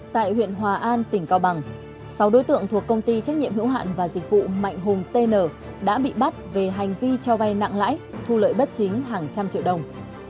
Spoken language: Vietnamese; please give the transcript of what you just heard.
tại huyện hòa an tỉnh cao bằng sáu đối tượng thuộc công ty trách nhiệm hữu hạn và dịch vụ mạnh hùng tn đã bị bắt về hành vi cho vay nặng lãi thu lợi bất chính hàng trăm triệu đồng